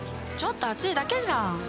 ちょっと熱いだけじゃん！